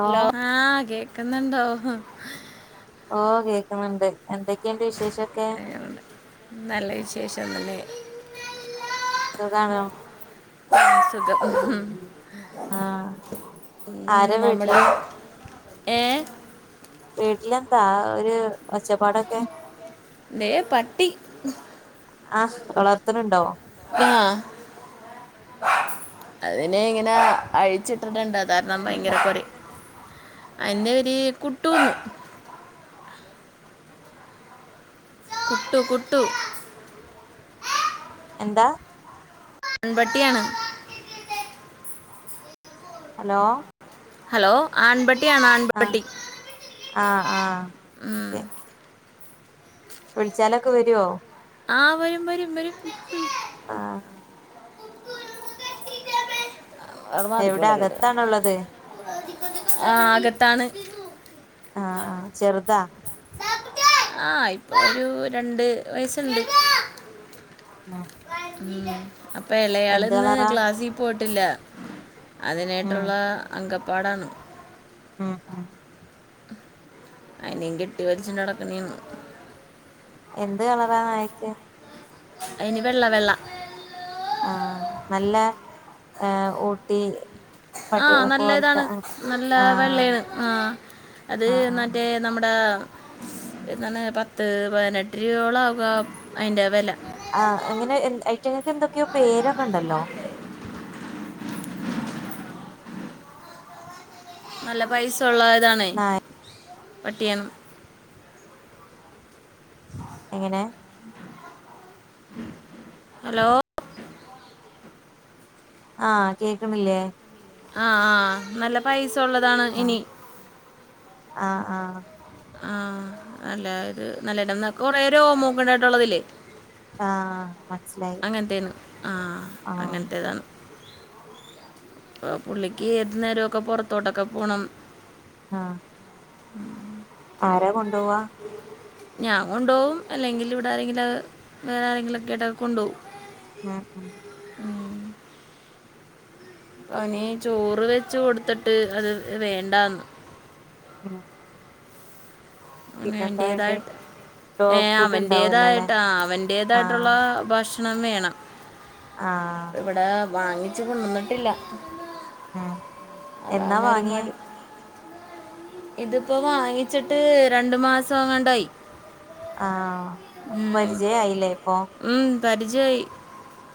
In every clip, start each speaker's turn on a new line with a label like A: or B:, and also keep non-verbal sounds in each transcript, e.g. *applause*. A: Hello ആഹ് കേക്ക്ന്ന്ണ്ടോ
B: ഓഹ് കേക്ക്ന്നുണ്ട് എന്തൊക്കേണ്ട് വിശേഷൊക്കെ
A: *unintelligible* നല്ല വിശേഷം അല്ലെ
B: സുഖാണോ
A: സുഖം
B: ആഹ്
A: ഉം
B: ആരാ
A: നമ്മടെ
B: വീട്ടില്
A: ഏഹ്
B: വീട്ടിലെന്താ ആഹ് ഒര് ഒച്ചപ്പാടൊക്കെ
A: ദേ പട്ടി
B: ആഹ് വളർത്ത്ണ് ഇണ്ടോ
A: ആഹ് അതിനെ ഇങ്ങനെ അഴിച്ചിട്ടിട്ടുണ്ട് അത് കാരണം ഭയങ്കര കൊരെയ് അയിന്റെ പേര് കുട്ടൂന്ന് കുട്ടു കുട്ടു
B: എന്താ
A: പെൺപ്പട്ടിയാണ്
B: ഹലോ
A: ഹലോ ആൺപ്പട്ടിയാണോ ആൺ
B: ആഹ് ആഹ് ആഹ്
A: ഉം.
B: ഓക്കെ വിള്ച്ചാലൊക്കെ വെരോ
A: ആഹ് വരും വരും വെരും ഉം
B: ആഹ്
A: അത് വാതിക്കെ
B: എവിടെ
A: *unintelligible*
B: അകത്താണുള്ളത്
A: ആഹ് അകത്താണ്
B: ആഹ് ആഹ് ചെറുതാ
A: ആഹ് ഇപ്പൊ ഒരു രണ്ട് വയസ്ണ്ട്
B: ആഹ്
A: മ് അപ്പ എളയാള് ഇന്ന്
B: കളറാ
A: ക്ലാസീ പോയിട്ടില്ല.
B: ഉം
A: അതിനായിട്ടുള്ള അങ്കപ്പാടാണ്.
B: മ്
A: അയിനേം കെട്ടി വലിച്ചോണ്ട് നടക്കണേ ആണ്.
B: എന്ത് കളറാ നായക്ക്?
A: അയിന് വെള്ള വെള്ള.
B: ആഹ് നല്ല ഏഹ് ഒട്ടി
A: ആഹ് നല്ല ഇതാണ്, നല്ല
B: ആഹ്
A: വെള്ളയാണ് ആഹ് അത്
B: ആഹ് ആഹ്
A: മറ്റേ നമ്മട എന്താണ് പത്ത് പതിനെട്ട് രൂപയോളം ആകു ആ അയിന്റെ വെല.
B: ആഹ് എങ്ങനെ *unintelligible* എന്തൊക്കെയോ പേരൊക്കെണ്ടല്ലോ.
A: നല്ല പൈസ ഒള്ളവരാണ്.
B: നായ
A: പട്ടിയാണ്.
B: എങ്ങനെ?
A: ഹലോ
B: ആഹ് കേക്കണില്ലേ?
A: ആഹ് ആഹ് നല്ല പൈസൊള്ളതാണ്
B: ആഹ്
A: ഇനി.
B: ആഹ് ആഹ്
A: ആഹ് അല്ല ഇത് നല്ല *unintelligible* കൊറേ രോമൊക്കെ ഇണ്ടായിട്ടുള്ളത് ഇല്ലേ.
B: ആഹ് മനസ്സിലായി.
A: അങ്ങൻത്തേന്ന് ആഹ്
B: ആഹ്
A: അങ്ങനത്തെതാണ്. ഇപ്പോ പുള്ളിക്ക് ഏതു നേരൊക്കെ പൊറത്തോട്ടൊക്കെ പോണം.
B: ആഹ് ആരാ കൊണ്ടോവാ?
A: ഞാൻ കൊണ്ടോവും, അല്ലെങ്കിൽ ഇവിടെ ആരെങ്കിലും വേറെ ആരെങ്കിലൊക്കായിട്ട് അവളെ കൊണ്ടോവും.
B: മ് മ്
A: അവന് ചോറ് വെച്ച് കൊടുത്തിട്ട് അത് വേണ്ടാന്ന്.
B: മ്
A: അവന്
B: വേണ്ടേ
A: അവൻ്റേതായിട്ട്
B: ഡോഗ്
A: ഏഹ്
B: ഫുഡ് ഉണ്ടാവല്ലോ അല്ലെ
A: അവൻ്റേതായിട്ട് ആഹ് അവൻ്റേതായിട്ടുള്ള
B: ആഹ്
A: ഭഷ് ണം വേണം.
B: ആഹ്
A: ഇവടെ വാങ്ങിച്ച് കൊണ്ടോന്നിട്ടില്ല.
B: മ്
A: അതാന്നൊരു മടി. ഇത്പ്പോ വാങ്ങിച്ചിട്ട് രണ്ട് മാസോങ്ങാണ്ടായി.
B: ആഹ്
A: മ്
B: പരിചയായില്ലേ ഇപ്പൊ
A: മ് പരിചയായി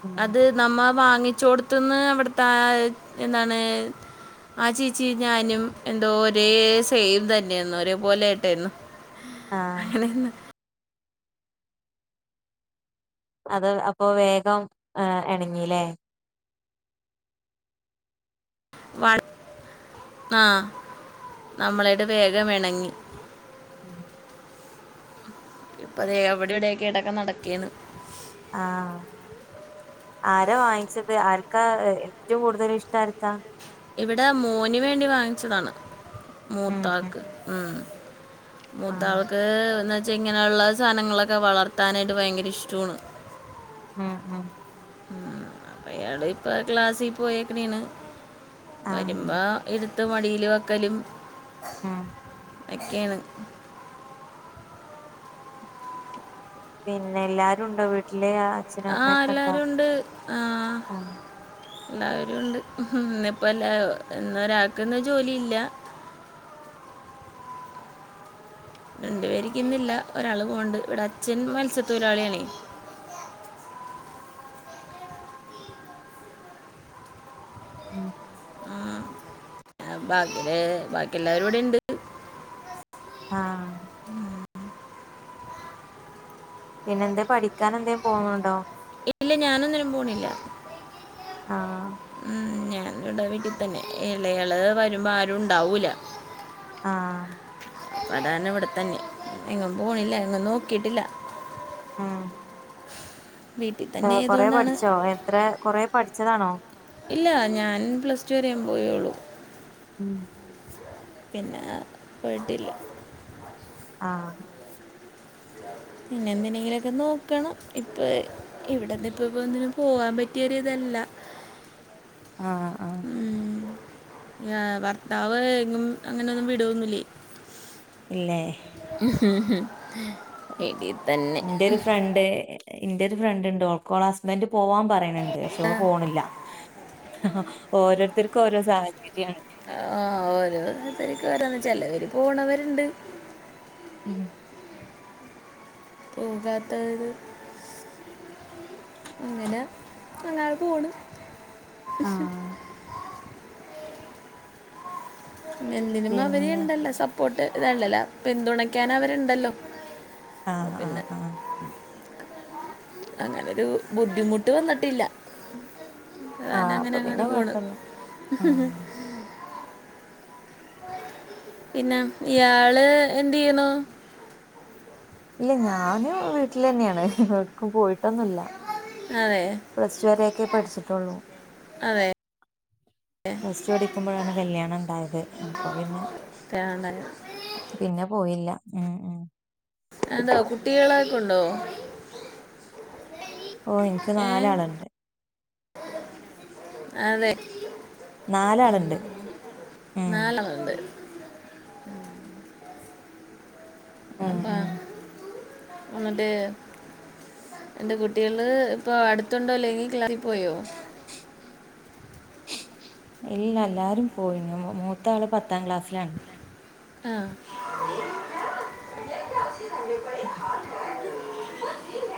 B: ഉം
A: അത് നമ്മ വാങ്ങിച്ചോട്ത്ത്ന്ന് അവിട്ത്താ എന്താണ് ആ ചേച്ചിം ഞാനും എന്തോ ഒരേ സെയിം തന്നെയേന്നു ഒരേ പോലെ ആയിട്ടായ്ര്ന്നു.
B: ആഹ്
A: അങ്ങനേയ്ര്ന്ന്
B: അത് അപ്പോ വേഗം എഹ് എണങ്ങില്ലേ.
A: *unintelligible* ആഹ് നമ്മളായിട്ട് വേഗം എണങ്ങി.
B: മ്
A: ഇപ്പ അതെ അവിടെ ഇവിടെയൊക്കെ ആയിട്ടൊക്കെ നടക്കേന്ന്.
B: ആഹ് ആരാ വാങ്ങിച്ചത് ആർക്കാ ഏറ്റവും കൂടുതല് ഇഷ്ട ആർക്കാ
A: ഇവിടെ മോന് വേണ്ടി വാങ്ങിച്ചതാണ്
B: ഉം ഉം
A: മൂത്താക്ക് ഉം
B: ആഹ്
A: മൂത്താൾക്ക് എന്ന വച്ചാ ഇങ്ങനെയുള്ള സാധനങ്ങളൊക്കെ വളർത്താനായിട്ട് ഭയങ്കര ഇഷ്ടാണ്
B: ഉം ഉം
A: ഉം അപ്പയാള് ഇപ്പ ക്ലാസ്സി പോയേക്ക്ണെണ്
B: ആഹ്
A: വരുമ്പോ ഇട്ത്ത് മടില് വെക്കലും
B: ആ
A: എക്കെണ്
B: പിന്നെല്ലാരുണ്ടോ വീട്ടില് അച്ഛനും
A: ആ
B: അമ്മയൊക്കെ ഉണ്ടോ
A: എല്ലാരുണ്ട് ആ
B: ആഹ്
A: എല്ലാവരുണ്ട് ഹും ഇപ്പല്ല ഇന്നൊരാക്ക്ന്ന് ജോലില്ല രണ്ടുപേരിക്ക്ന്നില്ല ഒരാള് പോണ്ട് ഇവിടെ അച്ഛൻ മത്സ്യത്തൊഴിലാളിയാണേ *inaudible*
B: ഉം
A: ഉം ബാക്കില് ബാക്കി എല്ലാവരും ഇവിടെണ്ട്
B: ആ
A: *inaudible*
B: പിന്നെന്തെ പഠിക്കാനെന്തേ പോവ്ണ്ടോ
A: ഇല്ല ഞാനൊന്നിനും പോണില്ല
B: ആഹ്
A: ഉം ഞാൻ വടെ വീട്ടി തന്നെ എളെയാള് വരുമ്പോ ആരുണ്ടാവൂല
B: ആ
A: അപ്പതാണ് ഇവിടെത്തന്നെ എങ്ങും പോണില്ല എങ്ങും നോക്കിട്ടില്ല
B: ആ
A: വീട്ടിൽ തന്നെ
B: കൊറേ
A: ആയതുകൊണ്ടാണ്
B: പഠിച്ചോ എത്ര കൊറേ പഠിച്ചതാണോ
A: ഇല്ല ഞാൻ പ്ലസ് ടു വരെ പോയൊള്ളൂ
B: ഉം
A: പിന്നെ പോയിട്ടില്ല
B: ആ
A: *inaudible* പിന്നെ എന്തിനെങ്കിലൊക്കെ നോക്കണം ഇപ്പെ ഇവിടെന്ന് ഇപ്പ പ്പൊന്നിനും പോകാൻ പറ്റിയൊരിതല്ല *inaudible*
B: ആ ആ
A: ഉം ഭർത്താവ് എങ്ങും അങ്ങനൊന്നും വിടൊന്നില്ലേ
B: ഇല്ലേ
A: ഹ് ഹും
B: ന്റോരു ഫ്രണ്ട് ഇന്റോരു ഫ്രണ്ട് ണ്ട് ഓക്കോളെ ഹസ്ബന്റ് പോവാൻ പറ പറയ്ണ് ണ്ട് പക്ഷെ ഓള് പോണ്ല്ല ഓരോരുത്തർക്കോരോ സാഹചര്യാണ്
A: ആ ആ *unintelligible* ചെലവര് പോണവര്ണ്ട്
B: ഉം
A: പോകാത്തവര് ഇങ്ങനെ അങ്ങനെ പോണ്
B: ആഹ്
A: എന്തിനും
B: പിന്നെ
A: അവര്ണ്ടല്ലോ സപ്പോർട്ട് ഇതാണ്ടല്ലോ പിന്തുണക്കാനവര്ണ്ടല്ലോ
B: ആ ആ ആ
A: അങ്ങനൊരു ബുദ്ധിമുട്ട് വന്നിട്ടില്ല
B: ആഹ് അപ്പൊ പിന്നെ
A: ഞാനങ്ങനങ്ങോട്ട് പോണ്
B: കൊഴപ്പല്ല ഉം
A: പിന്നെ ഇയാള് എന്തെയ്യ്ണു
B: ഇല്ല ഞാന് വീട്ട്ലെന്നെണ് ഏട്ക്കും പോയിട്ടൊന്നുല്ല
A: അതെ
B: പ്ലസ് ടു വരൊക്കെ പഠിച്ചിട്ടൊള്ളു
A: അതെ
B: പ്ല സ്ടു പടിക്കുമ്പളാണ് കല്യാണണ്ടായത് അപ്പൊ പിന്നെ
A: *unintelligible*
B: പിന്നെ പോയില്ല ഉം ഉം
A: എന്തോ കുട്ടികളൊക്കൊണ്ടോ
B: ഓ ഇൻക്ക് നാലാള്ണ്ട്
A: അതെ
B: നാലാളുണ്ട് ഉം
A: നാലാളുണ്ട്
B: ഉം ഉം
A: അപ്പം എന്ന്ട്ട് എന്റെ കുട്ടികള് ഇപ്പ അടുത്ത്ണ്ടോ അല്ലെങ്കി ക്ലാസിപ്പോയോ
B: ഇല്ല എല്ലാരും പോയി മൂത്ത ആള് പത്താം ക്ലാസ്സിലാണ്
A: ആഹ്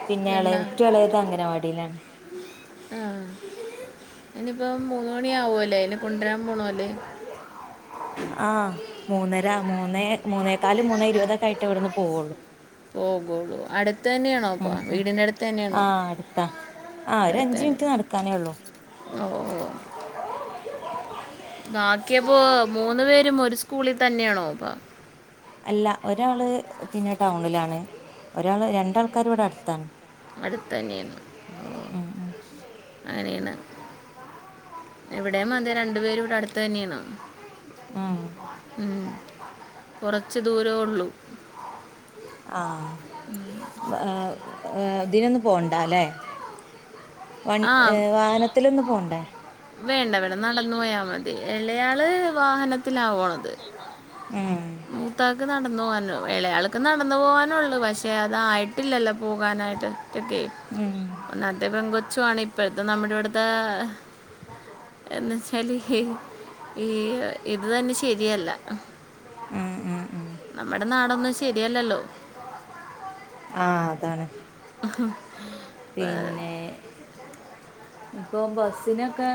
B: പിന്നെ ഏറ്റവും അളേത് അംഗനവാടിയിലാണ്
A: ആഹ് ഇനിയിപ്പോ മൂന്ന് മണി ആവുലേ അയ്നെ കൊണ്ടുവരാൻ പോണ അല്ലേ
B: ആഹ് മൂന്നര മൂന്നേ മൂന്നേക്കാല് മൂന്നേ ഇരുപതൊക്കെ ആയിട്ട് ഇവിടുന്ന് പോവുള്ളൂ
A: പോകുള്ളൂ അടുത്ത് തന്നെയാണോ
B: ഉം
A: അപ്പ വീടിന്റെ അടുത്ത് തന്നെയാണോ
B: ആഹ് ഒരു അഞ്ച് മിനിറ്റ് നടക്കാനേ ഉള്ളൂ
A: ഓഹ് ഓഹ് ബാക്കിയപ്പോ മൂന്നു പേരും ഒരു സ്കൂളിൽ തന്നെയാണോ അപ്പം
B: അല്ല ഒരാള് പിന്നെ ടൗണിലാണ് ഒരാള് രണ്ടാൾക്കാര് ഇവിടെ അടുത്താണ്
A: അടുത്ത് തന്നെയാണ്
B: ഉം
A: അങ്ങനെയാണ് ഇവിടെ അതെ രണ്ടു പേരും ഇവിടെ അടുത്ത തന്നെയാണ്
B: ആഹ്
A: ഉം കൊറച്ച് ദൂരേ ഉള്ളു
B: ആഹ് വെറെ ഏഹ് ഇതിനൊന്ന പോണ്ടാല്ലേ വ
A: ആ
B: വാഹനത്തില ഒന്ന്പോണ്ടേ
A: വേണ്ട വേണ്ട നടന്നു പോയാ മതി എള്ളയാള് വാഹനത്തിലാ പോണത്
B: ഉം
A: മൂത്താക്ക് നടന്ന പോകാനും ഇളയാൾക്ക് നടന്നു പോകാനള്ളു പക്ഷേ അതായിട്ടില്ലല്ലോ പോകാനായിട്ട് ഒറ്റക്കെ
B: ഉം
A: മ പെൺകൊച്ചു ആണ് ഇപ്പത്തെ നമ്മുടെ ഇവിടുത്തെ എന്നച്ചാല് ഈ ഇത് തന്നെ ശരിയല്ല
B: ഉം ഉം ഉം
A: നമ്മുടെ നാടൊന്നും ശരിയല്ലല്ലോ
B: ആഹ് അതാണ് പിന്നെ ഇപ്പൊ ബസിനൊക്കെ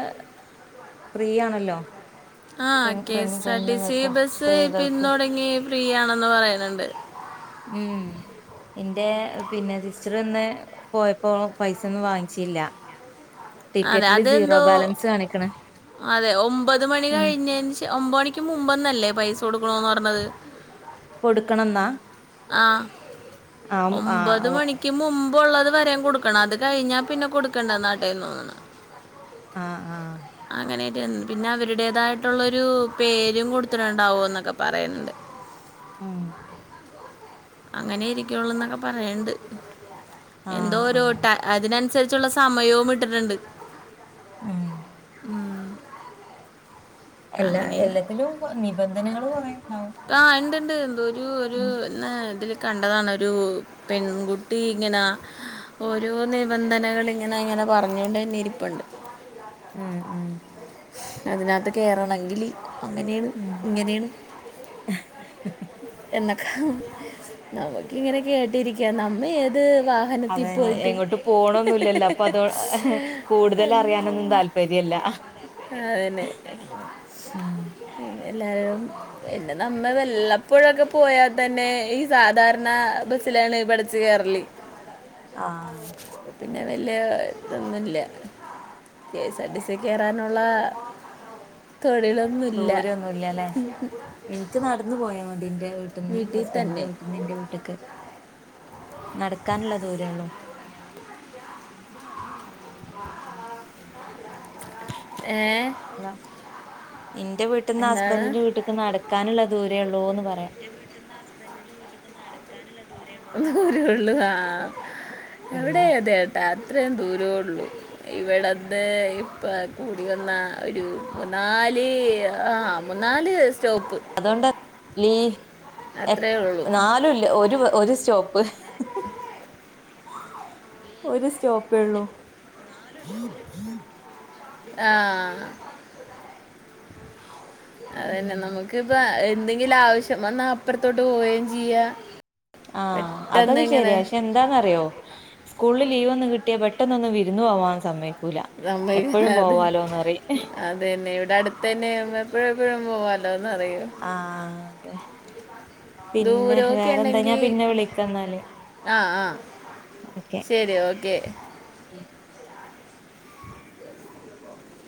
B: ഫ്രീ ആണല്ലോ
A: ആഹ്
B: പെൺ
A: കെ
B: പെൺ
A: എസ് ആർ ടി സി
B: പെണ്ണുങ്ങൾക്ക്
A: ബസ്സ് ഇന്ന്
B: സ്ത്രീകൾക്ക്
A: തുടങ്ങി ഫ്രീ ആണെന്ന് പറയുന്നുണ്ട്
B: ഉം ഇന്റെ പിന്നെ സിസ്റ്റർന്ന് പോയപ്പോ പൈസൊന്നും വാങ്ങിച്ചില്ല
A: അതെ
B: ടിക്കറ്റില് സീറോ
A: അതെന്തോ
B: ബാലൻസ് കാണിക്കണ്
A: അതെ ഒമ്പത് മണി
B: ഉം
A: കഴിഞ്ഞ ഒമ്പത് മണിക്ക് മുമ്പന്നല്ലേ പൈസ കൊടുക്കണന്ന് പറഞ്ഞത്
B: കൊടുക്കണം ന്നാ
A: ആഹ്
B: ആ
A: ഒമ്പത്
B: ഓ
A: മണിക്ക് മുമ്പുള്ളത് വരെ കൊട് ക്കണം അത് കഴിഞ്ഞാ പിന്നെ കൊടുക്കണ്ടനാട്ടേന്ന് തോന്ന്ണ്
B: ആഹ് ആഹ്
A: അങ്ങനെയട്ട പിന്നെ അവരുടേതായിട്ടുള്ളരു പേരും കൊടുത്തിട്ടുണ്ടാവോ എന്നൊക്കെ പറയുന്നുണ്ട്
B: ഉം
A: അങ്ങനെ ഇരിക്കുള്ള എന്നൊക്കെ പറയണ്ട്
B: ആ
A: എന്തോ
B: ആ
A: ഒരുരോട്ട അതിനൻസരിച്ചുള്ള സമയോം ഇട്ടിട്ട്ണ്ട്
B: ആഹ്
A: ഉം
B: എല്ല എല്ലത്തിലും നിബന്ധനകൾ കുറെണ്ടാവും
A: അഹ് ഇണ്ട് ഇണ്ട് ന്തോ ഒരു ഒരു പിന്ന ഇതില് കണ്ടതാണ് ഒരു പെൺകുട്ടി ഇങ്ങന ഓരോ നിബന്ധനകൾ ഇങ്ങനെ ഇങ്ങനെ പറഞ്ഞോണ്ട് ന്നെ ഇരിപ്പുണ്ട്
B: മ്മ് മ്മ്
A: അതിനകത്ത് കേറണങ്കില് അങ്ങനെയാണ്
B: ഉം
A: ഇങ്ങനെയാണ് എന്നൊക്ക നമക്കിങ്ങനെ കേട്ടിരിക്കാ നമ്മ ഏത് വാഹനത്തിൽ
B: അതെ
A: പോയിട്ട്
B: എങ്ങോട്ട് പോണോന്നുല്ലല്ലോ അപ്പ അതോ കൂടുതല് അറിയാനൊന്നും താൽ പര്യല്ല ഹ
A: അതെന്നേ
B: ഉം
A: എല്ലാരും പിന്ന നമ്മെ വല്ലപ്പോഴക്കെ പോയാതന്നെ ഈ സാധാരണ ബസ്സിലാണ് പടച്ച് കേറല് *inaudible*
B: ആഹ്
A: പിന്നെ വെല്യാ ഇതൊന്നുല്ല K S R T C കയറാനോ ള്ളാ *unintelligible*
B: ദൂരോന്നുല്ല ലെ ഇൻക് നടന്ന് പോയാ മതി ന്റെ വീട്ട്ന്ന്
A: വീട്ടിൽ തന്നെ
B: ഹസ്ബന്റ്ന്റെ വീട്ട് നിന്റെ വീട്ട്ക്ക് നടക്കാനുള്ള ദൂരേള്ളു
A: ആഹ് ആഹ് ഏ
B: ന്റെ വീട്ട്ന്ന്
A: എന്താണ്
B: ഹസ്ബൻഡിന്റെ വീട്ട് ക്ക് നടക്കാനുള്ള ദൂരേള്ളൂ ന്ന് പറയാ
A: ദൂരേള്ളു ആഹ്
B: ഉം
A: അവിടെ അതെ അത്രയും ദൂരേള്ളു ഇവിടന്ന് ഇപ്പൊ കൂടി വന്ന ഒരു നാല് ആഹ് മുന്നാല് സ്റ്റോപ്പ്
B: അതോണ്ട ലീവ് എ
A: അത്രേ ഉള്ളൂ
B: നാലുല്ല ഒരു ഒരു സ്റ്റോപ്പ് ഒരു സ്റ്റോപ്പേ ള്ളൂ
A: ആഹ് അതന്നെ നമുക്ക് പ്പോ എന്തെങ്കിലും ആവശ്യം വന്നാ അപ്പുറത്തോട്ട് പോവയും ചെയ്യാ
B: ആഹ് അതൊക്കെ ശരിയാ ക്ഷെ എന്താന്നറിയോ സ്കൂളിൽ ലീവ് ഒന്ന് കിട്ടിയാൽ പെട്ടെന്ന് ഒന്ന് വിരുന്നു പോവാൻ സമ്മയി
A: സമ്മയികൂല അത് അതന്നെ ഇവിടെ അടു ടുത്തന്നെ ആവുമ്പോ എപ്പഴും എപ്പഴും പോവാലോന്ന് അറിയും
B: ആഹ് അതെ
A: ദൂരോക്കെണ്ടങ്കി
B: പിന്നെ വിളിക്കാ എന്നാല്
A: ആഹ് ആഹ്
B: ഓക്കെ
A: ശരി ഓക്കെ
B: ഉം